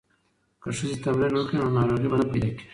که ښځې تمرین وکړي نو ناروغۍ به نه پیدا کیږي.